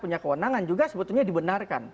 punya kewenangan juga sebetulnya dibenarkan